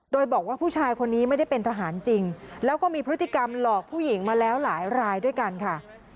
โดยบอกว่าผู้ชายคนนี้ไม่ได้เป็นทหารจริงแล้วก็มีพฤติกรรมหลอกผู้หญิงมาแล้วหลายรายด้วยกันค่ะ